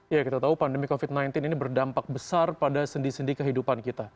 ya kita tahu pandemi covid sembilan belas ini berdampak besar pada sendi sendi kehidupan kita